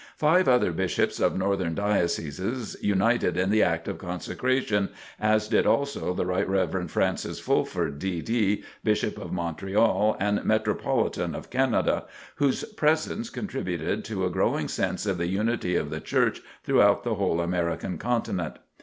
Five other Bishops of Northern Dioceses united in the act of Consecration, as did also the Rt. Rev. Francis Fulford, D.D., Bishop of Montreal and Metropolitan of Canada, whose presence "contributed to a growing sense of the unity of the Church throughout the whole American continent."